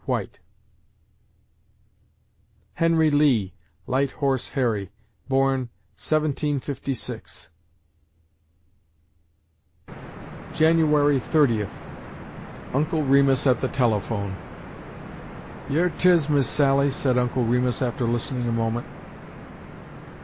WHITE Henry Lee ("Light Horse Harry") born, 1756 January Thirtieth UNCLE REMUS AT THE TELEPHONE "Yer 'tis, Miss Sally," said Uncle Remus after listening a moment.